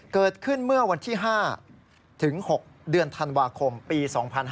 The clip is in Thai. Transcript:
เกิดขึ้นเมื่อวันที่๕ถึง๖เดือนธันวาคมปี๒๕๕๙